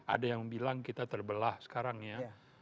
ada yang bilang kita terbelah sekarang ya